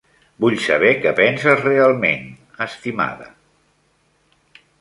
Vull saber què penses realment, estimada.